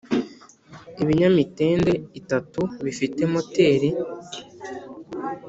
Ibinyamitende itatu bifite moteri